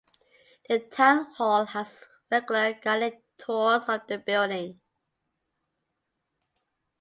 The town hall has regular guided tours of the building.